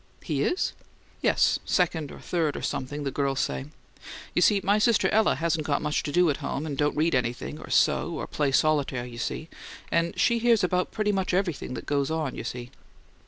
"He is?" "Yes second or third or something, the girls say. You see, my sister Ella hasn't got much to do at home, and don't read anything, or sew, or play solitaire, you see; and she hears about pretty much everything that goes on, you see.